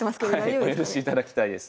お許しいただきたいです。